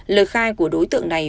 lời khai của đối tượng này